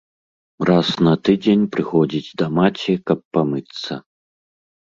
Раз на тыдзень прыходзіць да маці, каб памыцца.